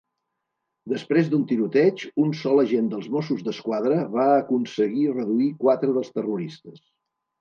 Després d'un tiroteig, un sol agent dels Mossos d'Esquadra va aconseguir reduir quatre dels terroristes.